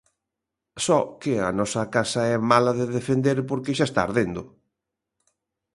Só que a nosa casa é mala de defender porque xa está ardendo.